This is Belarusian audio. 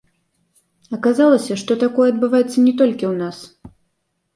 Аказалася, што такое адбываецца не толькі ў нас.